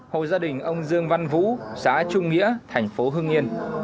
hộ gia đình ông dương văn vũ xã trung nghĩa thành phố hưng yên